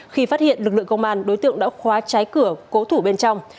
khi phát hiện lực lượng công an đối tượng đã khóa trái cửa cố thủ bên trong